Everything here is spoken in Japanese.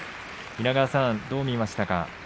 稲川さん、どう見ましたか。